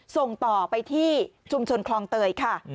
ส่งต่อไปที่ชุมชนคลองเตยค่ะ